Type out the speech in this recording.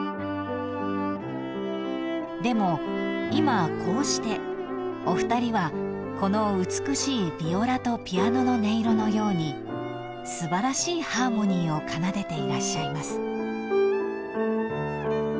［でも今こうしてお二人はこの美しいビオラとピアノの音色のように素晴らしいハーモニーを奏でていらっしゃいます］